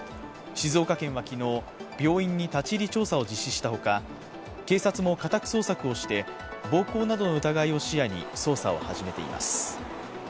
静岡県は昨日、病院に立入調査を実施したほか警察も家宅捜索をして暴行などの疑いを視野に捜査を始めています。